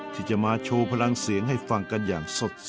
ที่จะมาโชว์พลังเสียงให้ฟังกันอย่างสด